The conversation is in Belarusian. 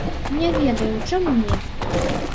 Не ведаю, чаму не?